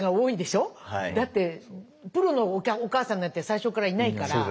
だってプロのお母さんなんて最初からいないから。